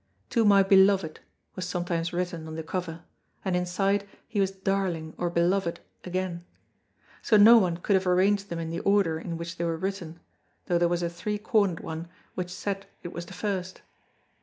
"To my beloved," was sometimes written on the cover, and inside he was darling or beloved again. So no one could have arranged them in the order in which they were written, though there was a three cornered one which said it was the first.